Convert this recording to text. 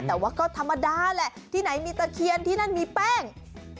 แต่ว่าก็ธรรมดาแหละที่ไหนมีตะเคียนที่นั่นมีแป้ง